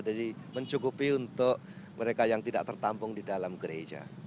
jadi mencukupi untuk mereka yang tidak tertampung di dalam gereja